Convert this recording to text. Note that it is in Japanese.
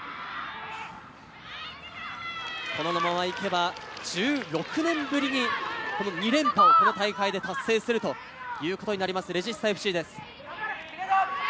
このまま行けば１６年ぶりに２連覇をこの大会で達成するということになります、レジスタＦＣです。